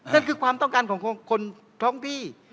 นั่นคือความต้องการของคนท้องที่